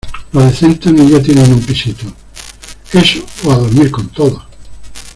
lo adecentan y ya tienen un pisito. eso o a dormir con todos .